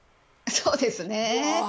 そうですね。